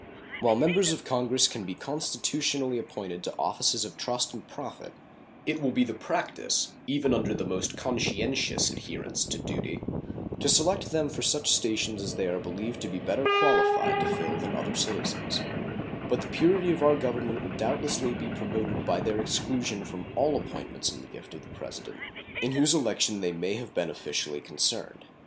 While members of Congress can be constitutionally appointed to offices of trust and profit it will be the practice, even under the most conscientious adherence to duty, to select them for such stations as they are believed to be better qualified to fill than other citizens; but the purity of our Government would doubtless be promoted by their exclusion from all appointments in the gift of the President, in whose election they may have been officially concerned.